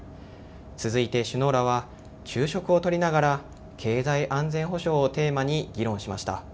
続いて首脳らは昼食をとりながら経済安全保障をテーマに議論しました。